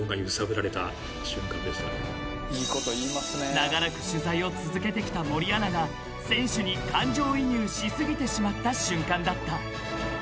［長らく取材を続けてきた森アナが選手に感情移入し過ぎてしまった瞬間だった］